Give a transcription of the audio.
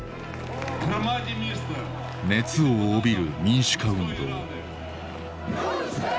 熱を帯びる民主化運動。